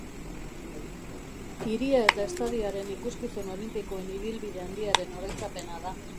Hiria eta estadioaren ikuskizun olinpikoen ibilbide handiaren oroitzapena da.